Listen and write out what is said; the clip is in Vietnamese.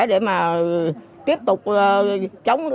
để mà tiếp tục